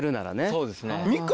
そうですね。